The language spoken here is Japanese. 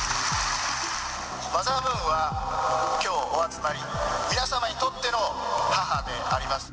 マザームーンはきょうお集まり、皆様にとっての母であります。